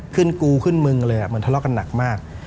กูขึ้นมึงเลยมันทะเลาะกันหนักมาก